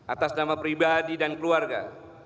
atas nama pribadi dan keluarga